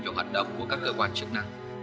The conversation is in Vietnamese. vào hận đốc của các cơ quan chức năng